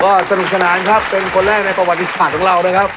ก็สนุกสนานครับเป็นคนแรกในประวัติศาสตร์ของเรานะครับ